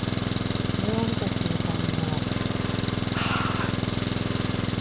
それを見た瞬間にもうああー美しい。